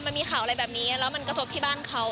มันมีข่าวอะไรแบบนี้แล้วมันกระทบที่บ้านเขา